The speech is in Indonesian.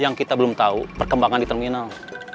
yang kita belum tahu perkembangan di terminal